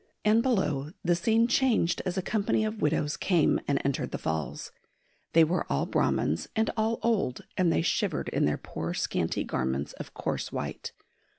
And below the scene changed as a company of widows came and entered the Falls. They were all Brahmans and all old, and they shivered in their poor scanty garments of coarse white.